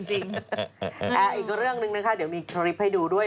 อีกเรื่องนึงนะคะเดี๋ยวมีคลิปให้ดูด้วย